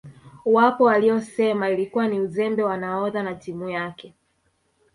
Wapo waliosema ilikuwa ni uzembe wa nahodha na timu yake